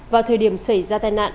vào thời điểm xảy ra tai nạn